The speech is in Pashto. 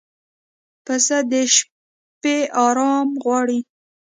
پسه د شپه آرام غواړي.